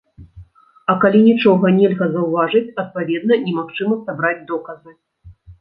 А калі нічога нельга заўважыць, адпаведна, немагчыма сабраць доказы.